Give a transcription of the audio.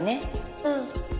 うん。